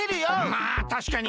まあたしかに。